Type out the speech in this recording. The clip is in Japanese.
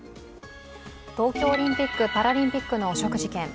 東京オリンピック・パラリンピックの汚職事件。